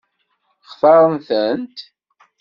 Xtaṛent-tent?